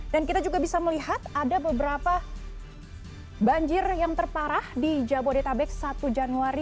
kita juga bisa melihat ada beberapa banjir yang terparah di jabodetabek satu januari